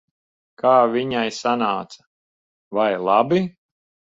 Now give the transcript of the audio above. Kā viņai sanāca? Vai labi?